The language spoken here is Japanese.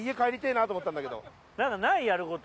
・なんかない？やること。